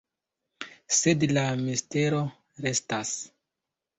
Sed la mistero restas.